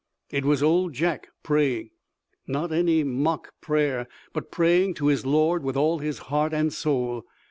It was Old Jack praying. Not any mock prayer, but praying to his Lord with all his heart and soul.